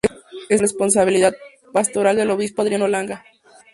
Esta bajo la responsabilidad pastoral del obispo Adriano Langa.